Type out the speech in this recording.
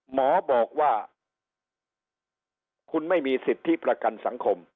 หมอบอกว่าคุณไม่มีสิทธิประกันสังคม